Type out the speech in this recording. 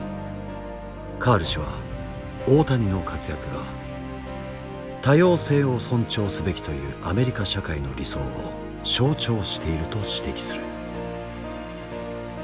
カール氏は大谷の活躍が多様性を尊重すべきというアメリカ社会の理想を象徴していると指摘する。